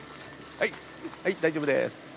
はい大丈夫でーす。